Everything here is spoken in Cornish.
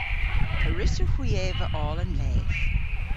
A wrussowgh hwi eva oll an leth?